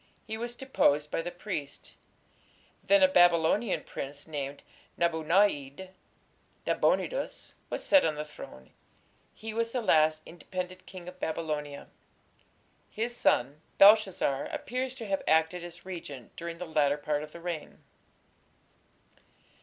He was deposed by the priests. Then a Babylonian prince named Nabu na´id (Nabonidus) was set on the throne. He was the last independent king of Babylonia. His son Belshazzar appears to have acted as regent during the latter part of the reign.